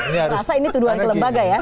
merasa ini tuduhan ke lembaga ya